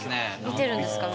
見てるんですか？